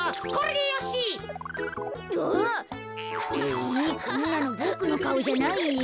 えこんなのボクのかおじゃないよ。